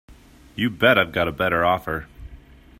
You bet I've got a better offer.